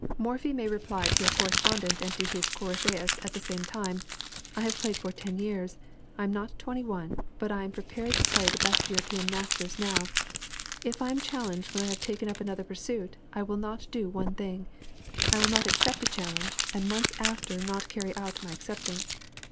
Morphy may reply to your correspondent and to his coryphæus at the same time "I have played for ten years. I am not 21, but am prepared to play the best European masters now. If I am challenged when I have taken up another pursuit I will not do one thing. I will not accept a challenge, and months after not carry out my acceptance.